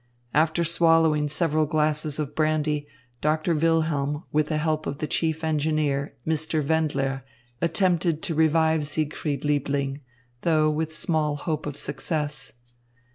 After swallowing several glasses of brandy, Doctor Wilhelm with the help of the chief engineer, Mr. Wendler, attempted to revive Siegfried Liebling, though with small hope of success.